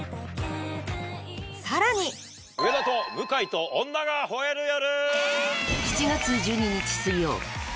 さらに『上田と向井と女が吠える夜』。